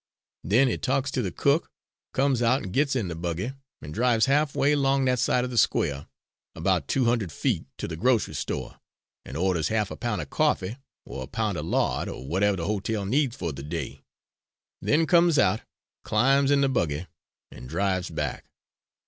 Then he talks to the cook, comes out an' gits in the buggy, an' drives half way 'long that side of the square, about two hund'ed feet, to the grocery sto', and orders half a pound of coffee or a pound of lard, or whatever the ho tel needs for the day, then comes out, climbs in the buggy and drives back.